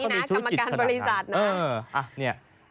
นี่นะกรรมการบริษัทนะ